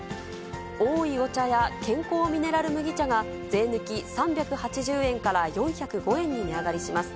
おいお茶や、健康ミネラルむぎ茶が税抜き３８０円から４０５円に値上がりします。